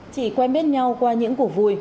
chỉ quen biết nhau qua những cuộc vui